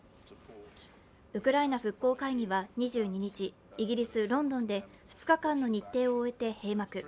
ウクライナ復興会議は２２日、イギリス・ロンドンで２日間の日程を終えて閉幕。